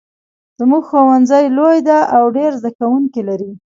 زمونږ ښوونځی لوی ده او ډېر زده کوونکي لري